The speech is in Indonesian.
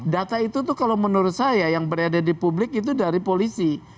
data itu tuh kalau menurut saya yang berada di publik itu dari polisi